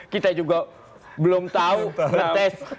kita juga belum tahu ngetes